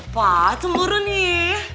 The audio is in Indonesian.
pak cemburu nih